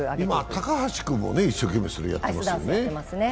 今、高橋君も一生懸命それやってますね。